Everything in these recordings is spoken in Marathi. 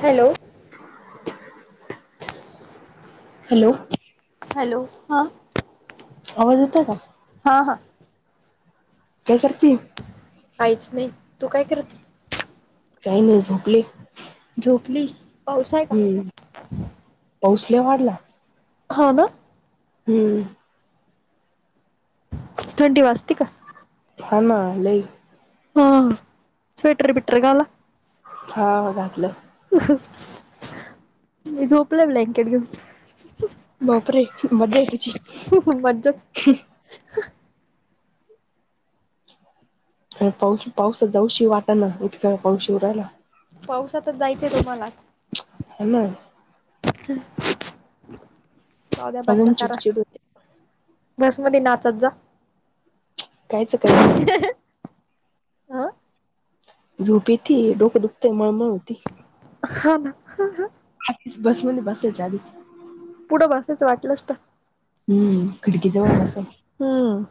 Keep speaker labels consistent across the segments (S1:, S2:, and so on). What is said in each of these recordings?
S1: हॅलो.
S2: हॅलो
S1: हॅलो हा
S2: आवाज होताय का?
S1: हा हा
S2: काय करतीये?
S1: काहीच नाही तू काय करते?
S2: काही नाही झोपले.
S1: झोपली. पाऊस हाय का?
S2: हम्म पाऊस ले वाढलाय.
S1: हा ना.
S2: हम्म
S1: थंडी वास्त का?
S2: हा ना लइ
S1: हा स्वेटर विटर घाला.
S2: हा घातलं.
S1: मी झोपला ब्लँकेट घेऊन.
S2: बापरे! मजा आहे तुची.
S1: घेऊन मज्जाच
S2: आणि पाऊस, पाऊसा जाऊशी वाटा ना इतक पाऊस येऊ राहिला.
S1: पाऊसातच जायचंय तुम्हाला
S2: हम
S1: चौद्या
S2: अजून
S1: माज्या करा
S2: चिडचिड होते.
S1: बसमध्ये नाचत जा
S2: कायच काय झू
S1: आं
S2: झोप येतीये डोक दुखते, मळमळ होती
S1: हा ना हा हा
S2: बसमध्ये बसायच्या आधीच
S1: पुढं बसायच वाटलंस तर
S2: हम्म खिडकी जवळ बसायच.
S1: हम्म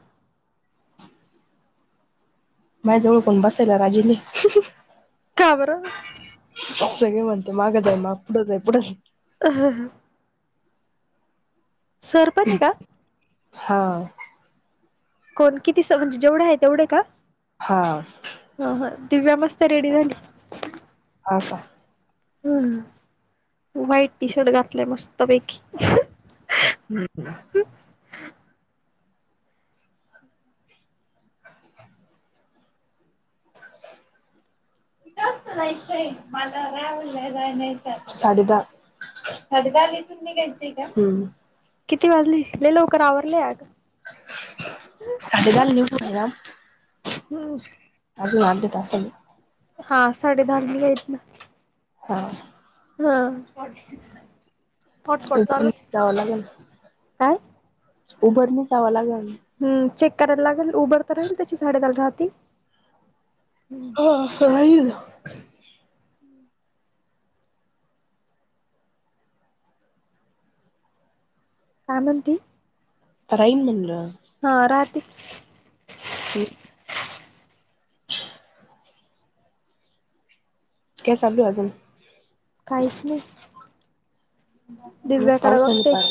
S2: माझजवळ कोण बसायला राजी नाय.
S1: का बर?
S2: सगळे म्हणते मागं जाय माग पुढं जाय पुढं जाई.
S1: सरपणी काय
S2: हा
S1: कोण किती म्हणजे जेवढं आहे तेवढे का
S2: हा
S1: हो ती व्यवस्था रेडी झालीय
S2: हा का
S1: हम् व्हाईट टी शर्ट घातलंय मस्त पैकी,
S2: हम्म [unintelligible] जास्त नाहीय मला रावल नाही साडी द साडी घालून निघायची आहे का
S1: किती वाजले लय लवकर आवरले अ
S2: साडे दहाला निघू पुण्याला
S1: हम्
S2: अजून अर्ध्या तासाने.
S1: हा साडे दहा ला निघा इथनं
S2: हा
S1: हा हॉटस्पॉट
S2: उबर
S1: चालूच
S2: जाव लागेल
S1: काय
S2: उबरने जावं लागेल
S1: हम्म चेक करायला लागेल उबर तर राहील त्याची साडेदहाला राहती.
S2: हा
S1: काय म्हणती
S2: कराय येईल म्हंटलं.
S1: हा [unintelligible]
S2: ते [unintelligible] [unintelligible] काय चालू आहे अजून
S1: काहीच नाही
S2: मग
S1: दिव्याकडे
S2: पावसाने
S1: बघते.
S2: पार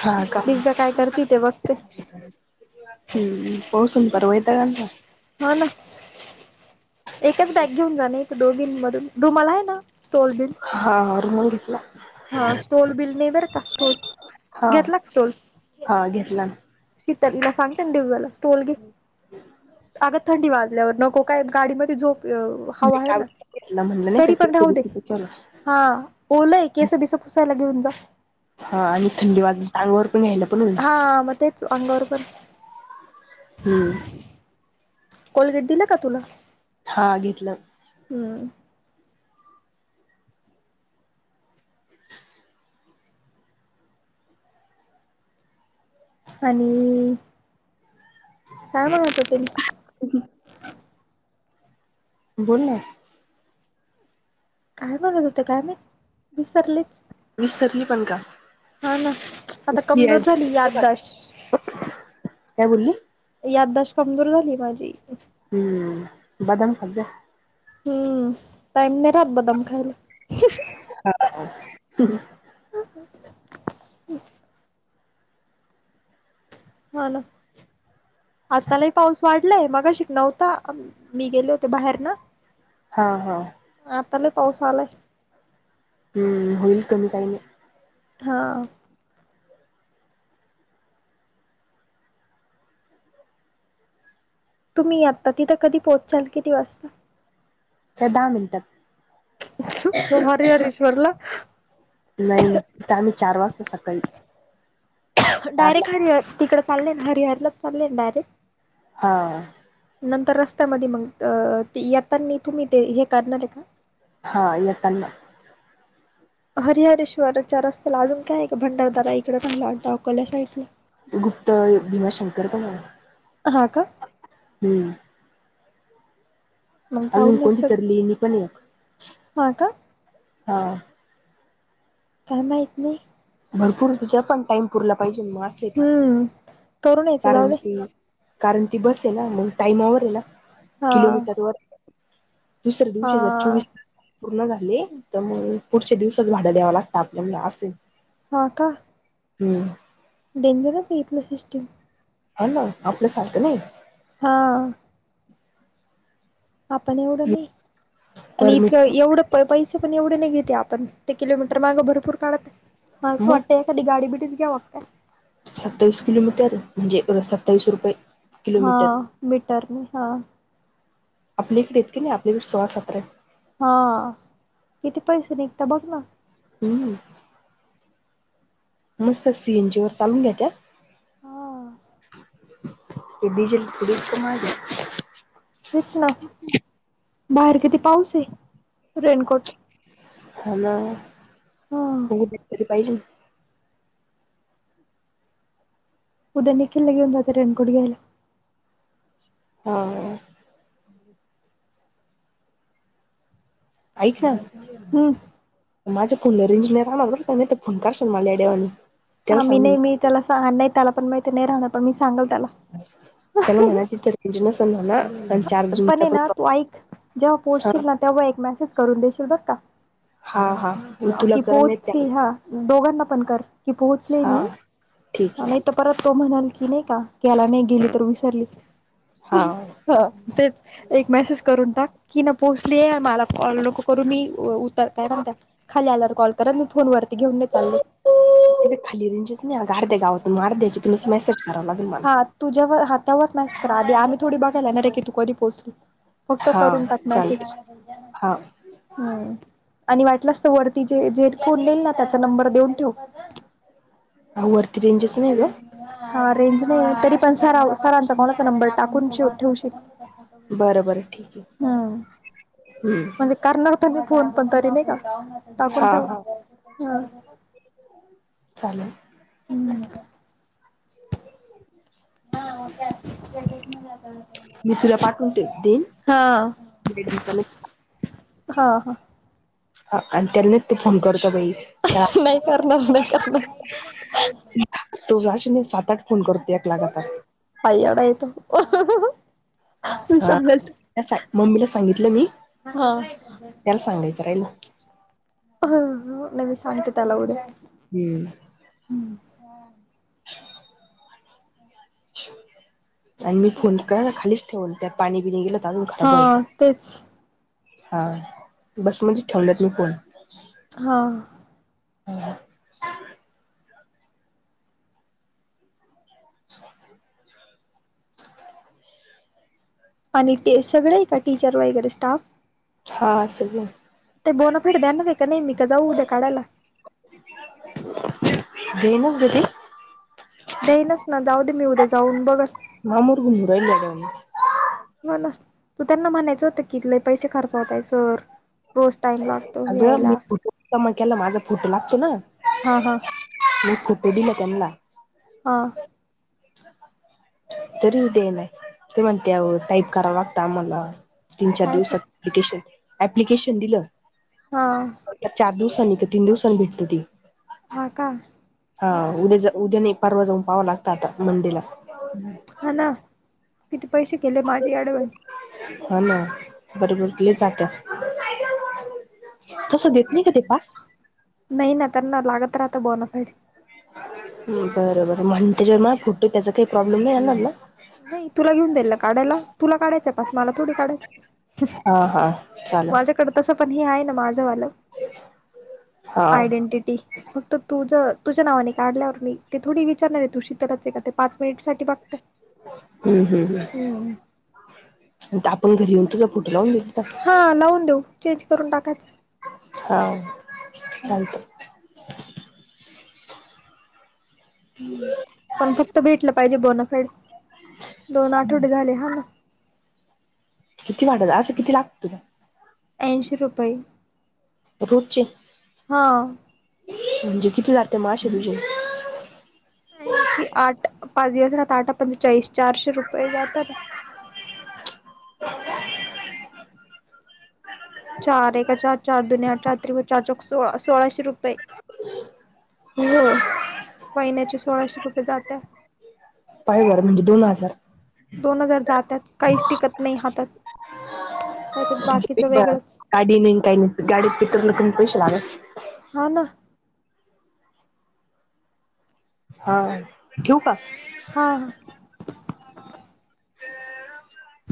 S2: हा का
S1: दिवसा काय करती ते बघते.
S2: हम्म पाऊस हून परवा येता का का
S1: हो ना एकच बॅग घेऊन जाण दोघी मधून तुम्हाला आहे ना, स्टोल बिल
S2: हा रुमाल घेतला.
S1: हा स्टोल बिल ने बर का स्टोल
S2: हा
S1: घेतला का
S2: हा घेतला.
S1: त्यांना सांगते दिव्याला स्टोल घे आग थंडी वाजल्यावर नको. काय गाडीमध्ये झोप.
S2: मी
S1: हवा आहे ना
S2: ताबडतोब घेतला म्हणलं नाही का
S1: तरी पण राहू दे.
S2: केसरी
S1: हा ओलय एक केस बिस पुसायला घेऊन जा.
S2: हा आणि थंडी वाजून अंगावर पण घ्यायला पण होईल.
S1: हा मग तेच अंगावर पण
S2: हम्म
S1: कोलगेट दिला का तुला.
S2: हा घेतल
S1: हम आणि काय म्हणत होते. मी
S2: बोल ना
S1: काय म्हणत होते काय माहित विसरलेच
S2: विसरली पण का
S1: हा ना आता कमजोर झाली याददाश्त
S2: काय बोलली,
S1: याददाश्त कमजोर झालीय माझी,
S2: हम्म, बदाम खात जा.
S1: हम्म टाईम नाही राहात बदाम खायला.
S2: [unintelligible]
S1: [inaudible] होना आता लय पाऊस वाढ लंय मगाशी नव्हता. मी गेले होते बाहेर ना.
S2: हा-हा
S1: आत्ता लय पाऊस आलाय.
S2: हम्म, होईल कमी काही नाही.
S1: हा. तुम्ही आत्ता तिथं कधी पोहोचाल, किती वाजता?
S2: हे दहा मिनटात.
S1: हरी, हरेश्वरला
S2: नाही-नाही तिथं आम्ही चार वाजता सकाळी चारला
S1: डायरेक्ट हरिहर तिकंड चालले, हरिहरलाच चालले डायरेक्ट?
S2: हा.
S1: नंतर रस्त्यामध्ये मग, येतानी तुम्ही ते हे करणार आहे का?
S2: हा यतना
S1: हरिहरेश्वरच्या रस्त्याला अजून काय आहे का? भंडारदरा इकडे राहिला अकोल्या साइटला
S2: गुप्त भीमाशंकर पण आहे.
S1: हा का?
S2: हम्म..
S1: मग
S2: आजुन
S1: जाऊन या
S2: कोणती
S1: सग
S2: तर लेणी पण आहे.
S1: हा का.
S2: हा.
S1: काय माहित नाही
S2: भरपूर तिथं पण टाइम पुरला पाहि, जे मास येते.
S1: हम्म करून यायचं, जाऊ दे
S2: कारण ती बस आहे ना, मग टाइमावर आहे ना,
S1: हा
S2: किलोमीटर वर दुसऱ्या
S1: हा
S2: दिवशी जर चोवीस तास पूर्ण झाले तर मग, पुढच्या दिवसच भाडं द्याव लागत आपल्याला असय.
S1: हो का.
S2: हम्म..
S1: डेंजरच आहे. इथलं सिस्टीम
S2: ह ना आपल्या सारक नाही.
S1: हा. आपण एवढं नाही,
S2: पर
S1: आणि इतक
S2: मीटर
S1: एवढं प पैसे पण एवढे नाही घेतल आपण ते किलोमीटर मागे भरूपुर काढतात. मला असं
S2: मग
S1: वाटतं, कधी गाडी बिडी घ्यावी का
S2: सत्तावीस किलोमीटर म्हणजे, सत्तावीसश रुपये
S1: हा
S2: किलोमीटर
S1: मीटरने हा
S2: आपल्या इकडे इतकी नाही, आपल्याकडे सोळा सतरा आहे.
S1: हा किती पैसे निघता, बघ ना
S2: हम्म. मस्त सीएनजी वर चालून घेतात.
S1: हा
S2: ते डिझेल किती महाग आहे.
S1: तेच ना बाहेर किती पाऊस आहे. रेनकोट
S2: ह ना
S1: हा
S2: पाहिजे [unintelligible]
S1: उद्या निखिल ला घेऊन जाते. रेनकोट घ्यायला
S2: हो. ऐक ना
S1: हम्म
S2: माझ्या फोनला रेंज नाही त्याला
S1: आ मी
S2: सांगून
S1: नाही मी त्याला सांगणार नाही त्याला पण माहि नाही राहणार पण मी सांगल त्याला
S2: [unintelligible]
S1: पण
S2: जूनचा
S1: हे ना तू
S2: प्रॉब्लेम
S1: ऐक जेव्हा
S2: हा
S1: पोहोचशील ना तेव्हा एक मेसेज करून देशील बर का
S2: हां हां
S1: कि पोहोचली हा दोघांना पण कर की पोहोचले
S2: हा
S1: मी
S2: ठीक आहे
S1: नाही तर परत तो म्हणाल की नाही का ग्यायला नाही गेली तर विसरली
S2: हा
S1: ह तेच एक मेसेज करून टाक कि ना पोचली मला लोक करून मी उतर काय म्हणत ल्यावर कॉल कररा मी फोनवर
S2: ते खालिरंचेच नाही गार द्या गावातून मार द्यायची तुम्ही अस मेसेज करा
S1: हा तुझ्या हातावरच मॅस करा आधी आम्ही थोडी बघायलाय ना रे की तू कधी पोचलू फक्त
S2: हा
S1: करून टाक
S2: चालते
S1: मॅसेजह
S2: हा
S1: आणि वाटलंस त वरती जे जे फोन घेऊन त्यांचा नंबर देऊन ठेव
S2: आवर
S1: ह रेंज नाही तरी पण स सरांचा कोणाचा नंबर टाकून ठेव शील
S2: बरं बरं ठीक आहे
S1: हम्म
S2: हम्म
S1: म्हणजे करणार कधी फोन पण तरी नाही का टाकून
S2: हा
S1: ठेव
S2: हा
S1: ह
S2: चालेल
S1: ह्
S2: मी तुला पाठवून ठेव देईन
S1: हा
S2: [unintelligible]
S1: हा हा
S2: ह आणि त्यांनीच तू फोन करते
S1: नाही करणार नाही करणार
S2: [unintelligible]
S1: फार येडा आहे तो
S2: हा
S1: सांगलेत
S2: मम्मीला सांगितलं मी त्याला सांगायचं राहिल
S1: ह नाही मी सांगते त्याला उद्या
S2: हम्म ह आणि मी फोन कर खालीच ठेवून त्या पाणी बिनी गेलं तर अजून खराब
S1: हा
S2: व्हायचं
S1: तेच
S2: हा बसमध्येच ठेवल्यात मी फोन
S1: हा
S2: ह
S1: आणि ते सगळं आहे का टीचर वगैरे स्टाफ
S2: हा सगळे आहे.
S1: बोनाफाईड देणार आहे का नाही का जाऊ उद्या काढायला?
S2: देनच गती [unintelligible]
S1: देई ना जाऊ दे मी उद्या जाऊन बघते.
S2: मामूर ग नूरालड [unintelligible]
S1: हो ना तू त्यांना म्हणायचं होतं की लै पैसे खर्च होतंय सर रोज टाइम लागतो
S2: अगं
S1: यायला
S2: मी फोटो जमा केला नां माझा फोटो लागतो नां?
S1: हा हा
S2: मी फोटो दिलं त्यांना
S1: हा
S2: तरी देईना ते म्हणतात टाईप करावं लागता आम्हाला तीन चार
S1: कायच
S2: दिवसांत अप्लिकेशन अप्लिकेशन दिलं
S1: हा.
S2: चार दिवसांनी का तीन दिवसांनी भेटत ते.
S1: हा का.
S2: हा उद्या उद्या नाही परवा जाऊन पहावं लागतं आता मंडेला.
S1: हा ना किती पैसे गेले माझी अँडव्हान्स.
S2: हा ना बरोबर कजात. तसं देत नाही का ते पास.
S1: नाही ना त्यांना लागत राहतं बोनाफाईड.
S2: बरं बरं म्हण त्याच्यावर माझा फोटो त्याचा काही प्रॉब्लेम नाही येणार ना?
S1: नाही तुला घेऊन जाईल काढायला तुला काढायचं आहे पास मला थोडी काढायचं?
S2: हा हा चालेल
S1: माझ्याकडे तसं पण हे आहे. माझ वालं
S2: हा
S1: आयडेंटिटी फक्त तुझं. तुझ्या नावाने काढल्यावर मी ते थोडी विचारणार आहे तु शीतलच का ते पाच मिनिट साठी बघते.
S2: हम्म हम्
S1: हम्म
S2: हम् आपण घरी येऊन तोच. लावन दिसत.
S1: हा
S2: [unintelligible]
S1: लावून देऊ चेंज करून टाकायचं..
S2: हा चालतंय..
S1: ह पण फक्त भेटलं पाहिजे बोनफाईड दोन आठवडे झाले हा नां..
S2: किती वाटत असं किती लागत.
S1: ऐंशी रुपये.
S2: रोजचे.
S1: हा
S2: म्हणजे किती जते माश तुझे [unintelligible]
S1: ऐंशी आठ. पाज ना तटा पंचेचाळीस चारशे रुपये जातात. [unintelligible] चार एका चार चार दुनिया चार त्री व चार चौक सोळा सोळाशे रुपये. महिन्याचे सोळाशे रुपये जाते..
S2: पाहं बरं म्हणजे दोन हजार.
S1: दोन हजार जातात काहीच टिकत नाही हातात. त्याच्यात बाकीचं वेगळंच
S2: गाडी नाही काही नाही गाडीत पेट्रोलला पण पैसे लागतात..
S1: हा ना.
S2: हा ठेऊ का?.
S1: हा हा.
S2: ह [unintelligible]